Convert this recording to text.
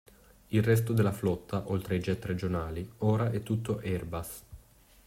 Il resto della flotta, oltre ai jet regionali, ora è tutto Airbus.